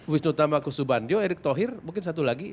wisnu thamakusubandyo erick thohir mungkin satu lagi